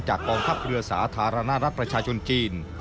กองทัพเรือสาธารณรัฐประชาชนจีน